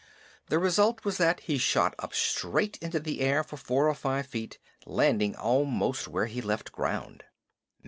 The result was that he shot up straight into the air for four or five feet, landing almost where he left ground.